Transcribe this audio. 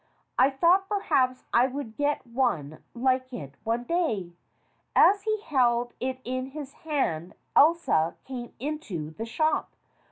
I thought perhaps I would get one like it one day. As he held it in his hand Elsa came into the shop.